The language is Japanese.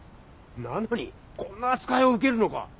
なのにこんな扱いを受けるのか？